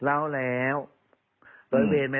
เพราะว่าตอนแรกมีการพูดถึงนิติกรคือฝ่ายกฎหมาย